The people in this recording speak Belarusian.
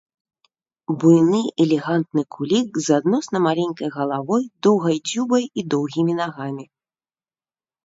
Буйны элегантны кулік з адносна маленькай галавой, доўгай дзюбай і доўгімі нагамі.